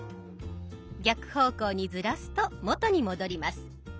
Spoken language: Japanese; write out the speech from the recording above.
逆方向にずらすと元に戻ります。